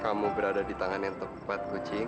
kamu berada di tangan yang tepat kucing